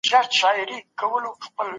سور څراغ ته ودريږئ.